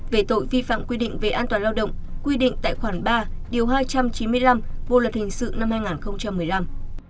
về tội vi phạm quy định về an toàn lao động quy định tại khoản ba điều hai trăm chín mươi năm bộ luật hình sự năm hai nghìn một mươi năm